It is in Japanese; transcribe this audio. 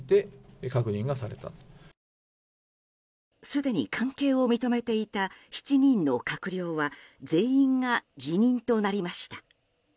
すでに関係を認めていた７人の閣僚は全員が辞任となりました。